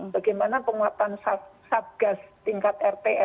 bagaimana penguatan sub gas tingkat rte